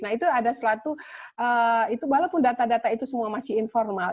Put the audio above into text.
nah itu ada suatu itu walaupun data data itu semua masih informal